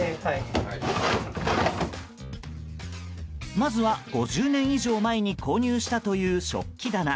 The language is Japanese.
まずは５０年以上前に購入したという食器棚。